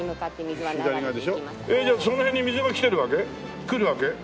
えっじゃあその辺に水が来てるわけ？